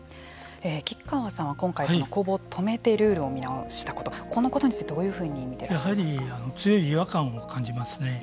橘川さんは今回公募を止めてルールを見直したことこのことについてどういうふうにやはり強い違和感を感じますね。